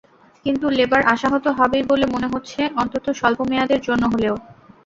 কিন্তু লেবার আশাহত হবেই বলে মনে হচ্ছে, অন্তত স্বল্প মেয়াদের জন্য হলেও।